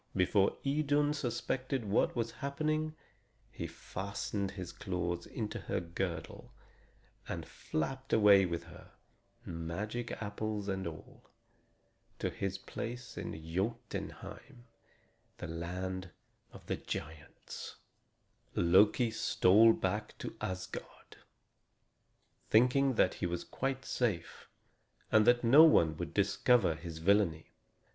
Before Idun suspected what was happening, he fastened his claws into her girdle and flapped away with her, magic apples and all, to his palace in Jotunheim, the Land of Giants. [Illustration: HE FLAPPED AWAY WITH HER, MAGIC APPLES AND ALL] Loki stole back to Asgard, thinking that he was quite safe, and that no one would discover his villainy.